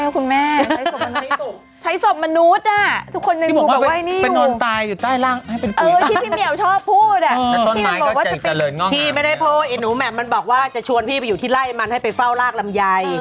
พี่ไม่ได้พูดอันนู้แหม่มมันบอกว่าจะชวนพี่ไปอยู่ที่ไล่มันให้ไปเฝ้ารากลำยัย